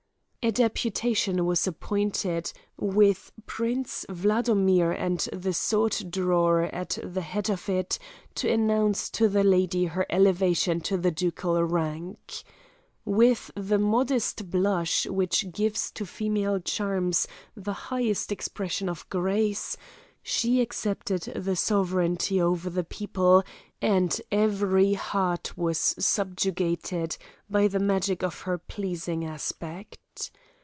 A deputation was appointed, with Prince Wladomir and the sword drawer at the head of it, to announce to the lady her elevation to the ducal rank. With the modest blush which gives to female charms the highest expression of grace, she accepted the sovereignty over the people, and every heart was subjugated by the magic of her pleasing aspect.